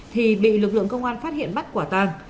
thì bị lực lượng công an phát hiện bắt quả tàng